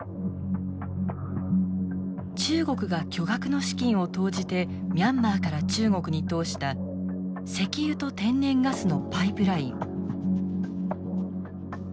中国が巨額の資金を投じてミャンマーから中国に通した石油と天然ガスのパイプライン。